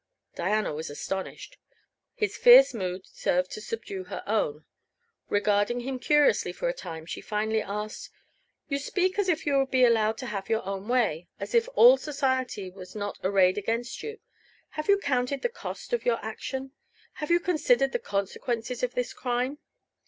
Diana was astonished. His fierce mood served to subdue her own. Regarding him curiously for a time she finally asked: "You speak as if you were to be allowed to have your own way as if all society was not arrayed against you. Have you counted the cost of your action? Have you considered the consequences of this crime?"